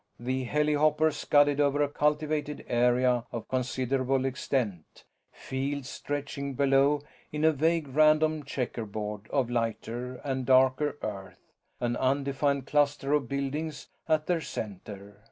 The helihopper scudded over a cultivated area of considerable extent, fields stretching below in a vague random checkerboard of lighter and darker earth, an undefined cluster of buildings at their center.